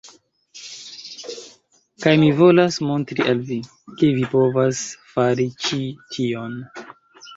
Kaj mi volas montri al vi, ke ni povas fari ĉi tion.